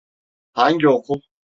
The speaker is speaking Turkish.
Hangi okul?